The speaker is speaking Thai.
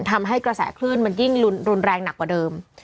ทำให้กระแสคลื่นมันยิ่งรุนแรงหนักกว่าเดิม